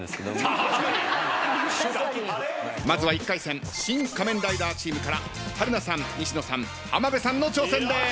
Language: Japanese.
まずは１回戦シン・仮面ライダーチームから春菜さん西野さん浜辺さんの挑戦です。